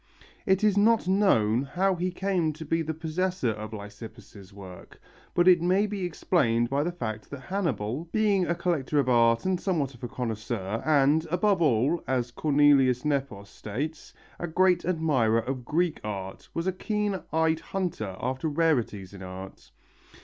It is not known how he came to be the possessor of Lysippus' work, but it may be explained by the fact that Hannibal, being a collector of art and somewhat of a connoisseur and, above all, as Cornelius Nepos states, a great admirer of Greek art, was a keen eyed hunter after rarities in art.